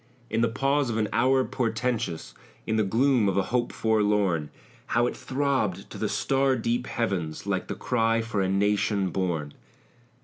In the pause of an hour portentous, In the gloom of a hope forlorn, How it throbbed to the star deep heavens, Like the cry for a nation born!